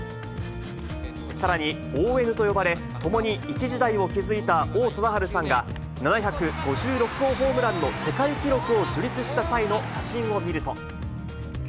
さらに、ＯＮと呼ばれ、共に一時代を築いた王貞治さんが、７５６号ホームランの世界記録を樹立した際の写真を見ると。